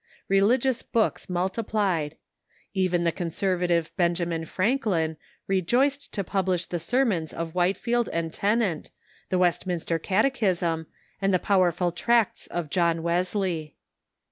Religious books multiplied. Even the con servative Benjamin Franklin rejoiced to publish the sermons of Whitefield and Tennent, the Westminster Catechism, and the powerful tracts of John Wesley.